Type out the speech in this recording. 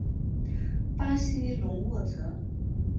巴西隆沃泽。